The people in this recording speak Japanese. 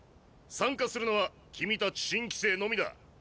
参加するのは君たち新規生のみだ。